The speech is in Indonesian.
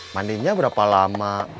mandinya berapa lama